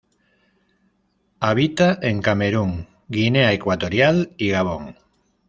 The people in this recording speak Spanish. Habita en Camerún, Guinea Ecuatorial y Gabón.